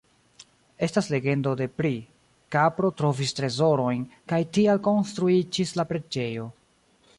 Estas legendo de pri: kapro trovis trezorojn kaj tial konstruiĝis la preĝejo.